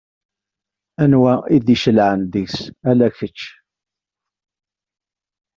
Anwa i d-icelεen deg-s ala kečč?